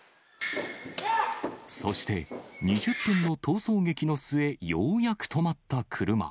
そして２０分の逃走劇の末、ようやく止まった車。